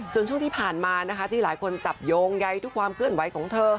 ส่วนช่วงที่ผ่านมานะคะที่หลายคนจับโยงใยทุกความเคลื่อนไหวของเธอ